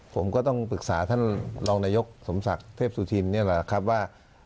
ผมก็ต้องปรึกษาท่านรองนายกสมศักดิ์เทพสุธินนี่แหละครับว่า